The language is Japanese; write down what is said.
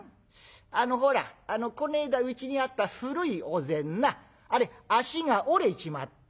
あのほらこないだうちにあった古いお膳なあれ脚が折れちまったね。